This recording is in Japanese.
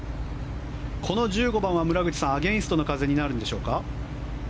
この１５番は、村口さんアゲンストの風になるんでしょうか。